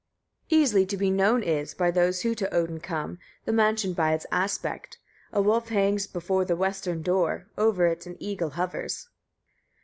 10. Easily to be known is, by those who to Odin come, the mansion by its aspect. A wolf hangs before the western door, over it an eagle hovers.